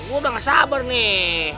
udah gak sabar nih